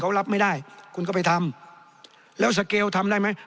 เขารับไม่ได้คุณก็ไปทำแล้วสเกลทำได้ไหม